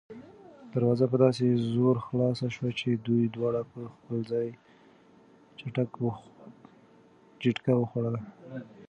دروازه په داسې زور خلاصه شوه چې دوی دواړه په خپل ځای جټکه وخوړه.